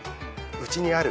「うちにある」